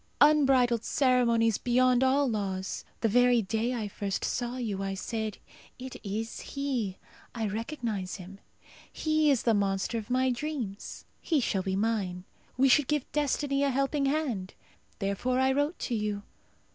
Unbridled ceremonies beyond all laws! The very day I first saw you I said, 'It is he!' I recognize him. He is the monster of my dreams. He shall be mine. We should give destiny a helping hand. Therefore I wrote to you.